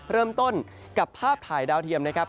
เริ่มต้นกับภาพถ่ายดาวเทียมนะครับ